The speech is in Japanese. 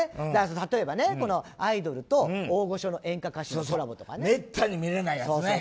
例えばアイドルと大御所の演歌歌手のめったに見れないやつね。